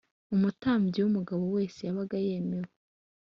Umutambyi w’ umugabo wese yabaga yemewe